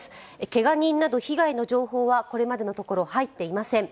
けが人など被害の状況はこれまでのところ、入っていません。